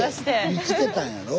見つけたんやろ？